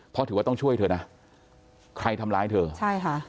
เพราะถือว่าต้องช่วยเธอนะใครทำร้ายเธอใช่ค่ะ